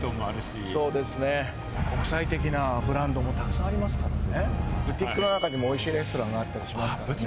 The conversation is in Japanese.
国際的なブランドもたくさんありますからね。